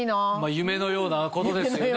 夢のようなことですよね。